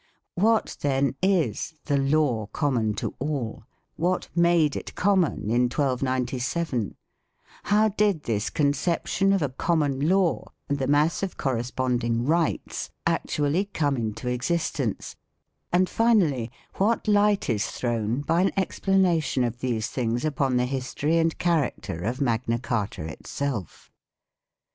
What, then, is "the law common to all," what made it "common" in 1297, how did this conception of a common law and the mass of corresponding rights actually come into existence, and finally what light is thrown by an explanation of these things upon the history and character of Magna Carta itself?